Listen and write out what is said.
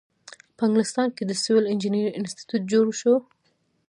په انګلستان کې د سیول انجینری انسټیټیوټ جوړ شو.